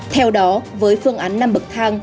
theo đó với phương án năm bậc thang